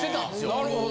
なるほど。